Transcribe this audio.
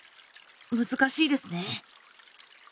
難しいですね。